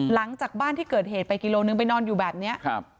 หลังจากบ้านที่เกิดเหตุไปกิโลนึงไปนอนอยู่แบบเนี้ยครับ